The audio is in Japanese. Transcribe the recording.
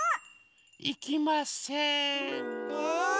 いきません。